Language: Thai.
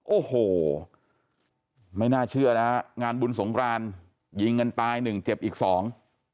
โอ้โหไม่น่าเชื่อนะฮะงานบุญสงครานยิงกันตายหนึ่งเจ็บอีกสอง